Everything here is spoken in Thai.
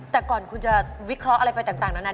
แต่ก่อนคุณจะวิเคราะห์อะไรไปต่างนานา